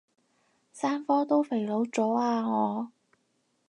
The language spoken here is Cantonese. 三科都肥佬咗啊我